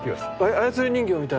操り人形みたい。